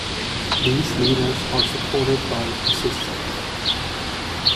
These leaders are supported by assistants.